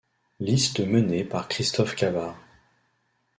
Liste menée par Christophe Cavard.